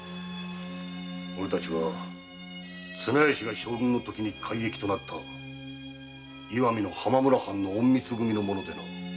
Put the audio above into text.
おれたちは綱吉が将軍のときに改易となった石見の浜村藩の隠密組の者でな。